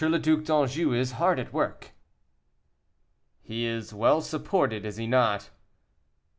le Duc d'Anjou is hard at work." "He is well supported, is he not?"